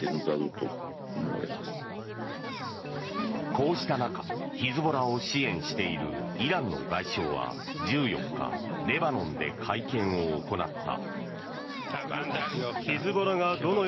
こうした中ヒズボラを支援しているイランの外相は１４日レバノンで会見を行った。